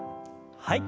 はい。